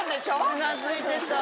うなずいてた。